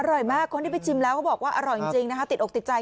อร่อยมากคนที่ไปชิมแล้วเขาบอกว่าอร่อยจริงนะคะติดอกติดใจ